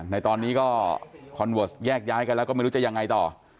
ในตอนนี้ก็คอนเวิร์สแยกย้ายกันแล้วก็ไม่รู้จะยังไงต่อ